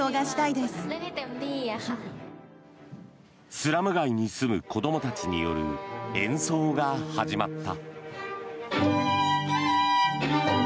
スラム街に住む子どもたちによる演奏が始まった。